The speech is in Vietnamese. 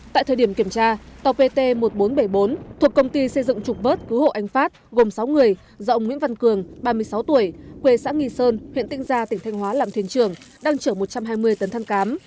tại thời điểm kiểm tra tàu pt một nghìn bốn trăm bảy mươi bốn thuộc công ty xây dựng trục vớt cứu hộ anh phát gồm sáu người do ông nguyễn văn cường ba mươi sáu tuổi quê xã nghi sơn huyện tinh gia tỉnh thanh hóa làm thuyền trưởng đang chở một trăm hai mươi tấn than cám